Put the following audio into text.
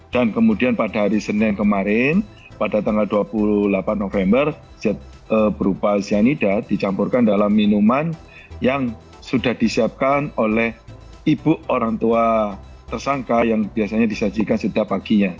dan kemudian pada hari senin kemarin pada tanggal dua puluh delapan november zat berupa cyanida dicampurkan dalam minuman yang sudah disiapkan oleh ibu orang tua tersangka yang biasanya disajikan setiap paginya